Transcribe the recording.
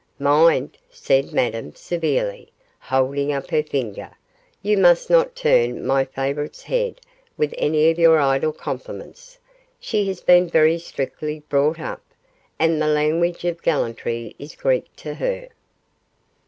'Mind,' said Madame, severely, holding up her finger, 'you must not turn my favourite's head with any of your idle compliments; she has been very strictly brought up, and the language of gallantry is Greek to her.